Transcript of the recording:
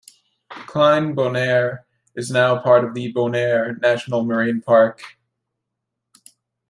Klein Bonaire is now part of the Bonaire National Marine Park.